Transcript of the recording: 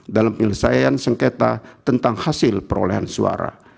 dalam penyelesaian sengketa tentang hasil perolehan suara